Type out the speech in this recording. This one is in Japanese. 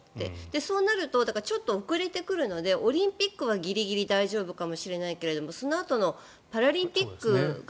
そうなるとちょっと遅れて来るのでオリンピックはギリギリ大丈夫かもしれないけどそのあとのパラリンピックが